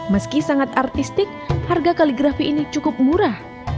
meski sangat artistik harga kaligrafi ini cukup murah